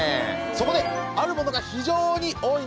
そこであるものが非常に多いんです。